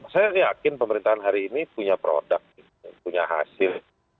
saya yakin pemerintahan hari ini punya produk punya hasil